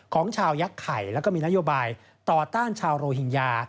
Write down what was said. ของชาวยักษ์ไข่แล้วก็มีนโยบายต่อต้านชาวโรฮิงญา